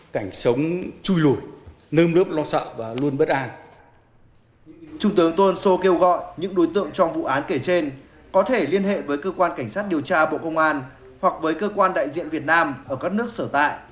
trung tướng tôn sô kêu gọi những đối tượng trong vụ án kể trên có thể liên hệ với cơ quan cảnh sát điều tra bộ công an hoặc với cơ quan đại diện việt nam ở các nước sở tại